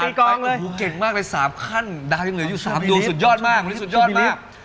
เอาล่ะครับโอ้โหเก่งมากเลย๓ขั้นดาวยังเหลืออยู่๓โยงสุดยอดมาก